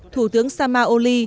thủ tướng sama oli